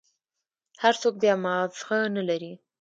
هر سوك بيا مازغه نلري.